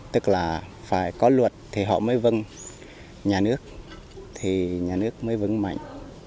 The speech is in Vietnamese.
tức là phải có luật thì họ mới vâng nhà nước thì nhà nước mới vững mạnh